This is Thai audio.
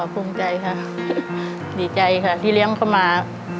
ภูมิใจค่ะดีใจค่ะที่เลี้ยงเขามา